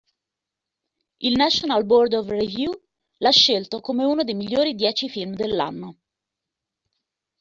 Il National Board of Review l'ha scelto come uno dei migliori dieci film dell'anno.